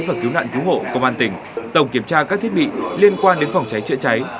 và cứu nạn cứu hộ công an tỉnh tổng kiểm tra các thiết bị liên quan đến phòng cháy chữa cháy